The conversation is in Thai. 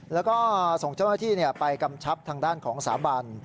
แล้วก็ส่งเจ้าหน้าที่ไปกำชับทางด้านของสาบัน